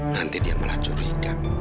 nanti dia malah curiga